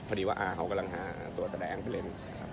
พอดีว่าอาเขากำลังหาตัวแสดงไปเล่นนะครับ